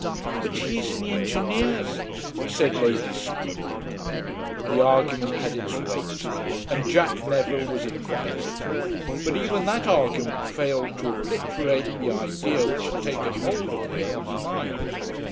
"But he is in the Engineers," said Lady Scroope. The argument had its weight, and Jack Neville was invited. But even that argument failed to obliterate the idea which had taken hold of the Earl's mind.